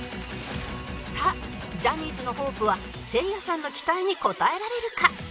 さあジャニーズのホープはせいやさんの期待に応えられるか？